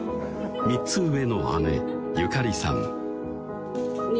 ３つ上の姉・ゆかりさん